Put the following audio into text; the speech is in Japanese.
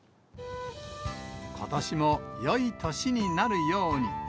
ことしもよい年になるように。